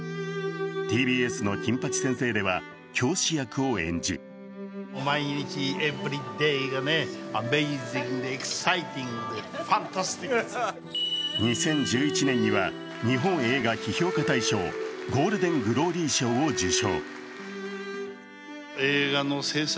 ＴＢＳの「金八先生」では教師役を演じ２０１１年には日本映画批評家大賞ゴールデン・グローリー賞を受賞。